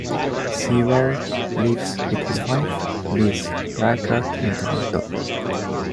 Sewell lives with his wife, Liz Rykert in Toronto.